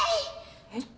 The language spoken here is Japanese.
えっ？